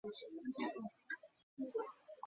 কী বললো আবার?